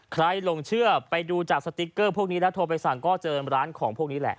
หลงเชื่อไปดูจากสติ๊กเกอร์พวกนี้แล้วโทรไปสั่งก็เจอร้านของพวกนี้แหละ